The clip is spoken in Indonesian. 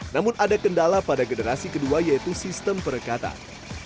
namun ada kendala pada generasi kedua yaitu sistem perekatan